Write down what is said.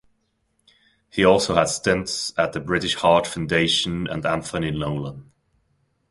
He also had stints at the British Heart Foundation and Anthony Nolan.